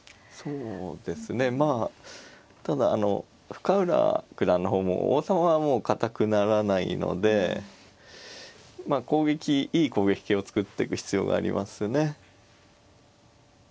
そうですねまあただ深浦九段の方も王様はもう堅くならないのでまあ攻撃いい攻撃形を作っていく必要がありますね。